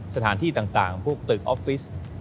สถานที่ต่างพวกตึกออฟฟิศ